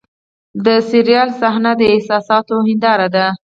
د ډرامې صحنه د احساساتو هنداره ده.